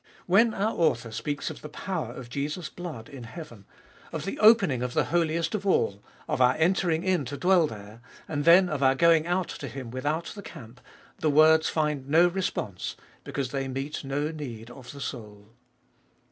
When our author speaks of the power of Jesus' blood in heaven, of the opening of the Holiest of All, of our entering in to dwell there, and then of our going out to Him without the camp, the words find no response, because they meet no need of the soul.